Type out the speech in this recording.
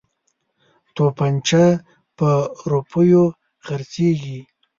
توپنچه په روپیو خرڅیږي.